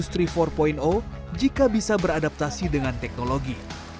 sektor unggulan di era industri empat jika bisa beradaptasi dengan teknologi